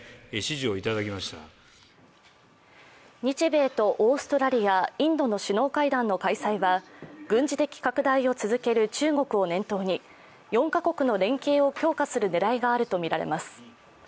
日米とオーストラリア、インドの首脳会談の開催は軍事的拡大を続ける中国を念頭に、４カ国の連携を強化する狙いがあるとみられます。